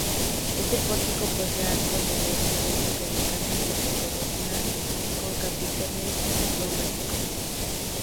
Este pórtico posee arcos de medio punto que descansan sobre columnas con capiteles románicos.